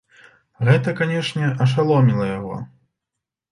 Гэта, канешне, ашаломіла яго.